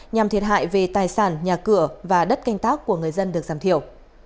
nhằm thiệt hại về tài sản nhà cửa và đất canh tác của người dân được giảm thiểu